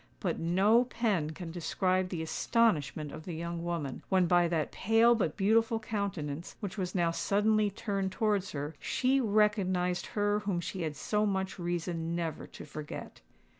But no pen can describe the astonishment of the young woman, when by that pale but beautiful countenance, which was now suddenly turned towards her, she recognised her whom she had so much reason never to forget.